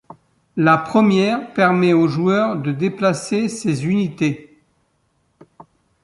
La première permet au joueur de déplacer ses unités.